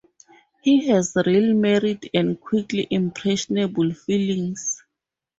He has real merit and quick, impressionable feelings.